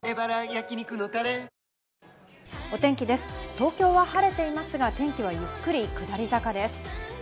東京は晴れていますが、天気はゆっくり下り坂です。